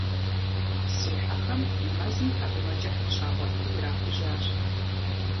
Си хьэхэм мэзым тхьэкӀумэкӀыхь къыщагъуэтри ирахужьащ.